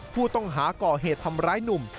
ผู้ต้องหาก่อเหตุทำร้ายหนุ่ม